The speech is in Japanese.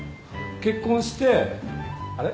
結婚してあれ？